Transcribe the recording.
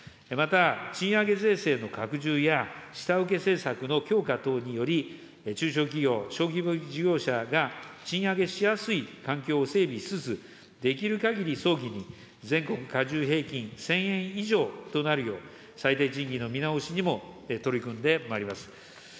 また、賃上げ税制の拡充や下請け政策の強化等により、中小企業、小規模事業者が賃上げしやすい環境を整備しつつ、できるかぎり早期に全国加重平均１０００円以上となるよう、最低賃金の見直しにも取り組んでまいります。